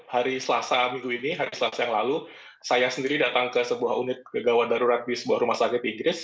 hari selasa minggu ini hari selasa yang lalu saya sendiri datang ke sebuah unit kegawat darurat di sebuah rumah sakit inggris